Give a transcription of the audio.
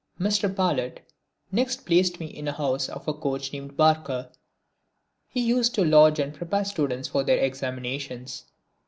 Mr. Palit next placed me in the house of a coach named Barker. He used to lodge and prepare students for their examinations.